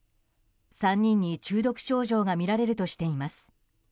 ３人に中毒症状が見られるとしています。